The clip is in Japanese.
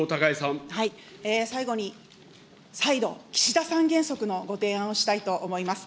最後に、再度、岸田３原則のご提案をしたいと思います。